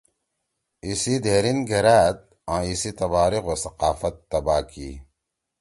ایِسی دھیریِن گھرأد آں ایِسی تباریخ او ثقافت تباہ کی۔